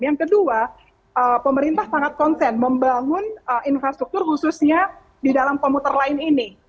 yang kedua pemerintah sangat konsen membangun infrastruktur khususnya di dalam komuter lain ini